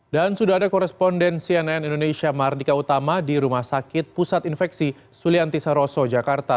sudah ada koresponden cnn indonesia mardika utama di rumah sakit pusat infeksi sulianti saroso jakarta